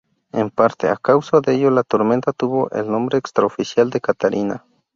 En parte, a causa de ello, la tormenta tuvo el nombre extraoficial de Catarina.